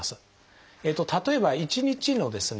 例えば１日のですね